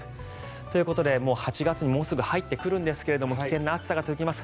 ということで８月にもうすぐ入ってくるんですが危険な暑さが続きます。